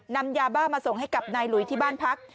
นำยาบ้ามาส่งให้กับนายหลุยที่บ้านพัก